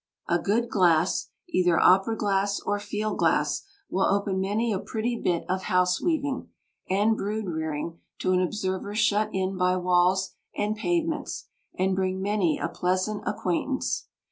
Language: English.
A good glass, either opera glass or field glass, will open many a pretty bit of house weaving, and brood rearing to an observer shut in by walls and pavements, and bring many a pleasant acquaintance.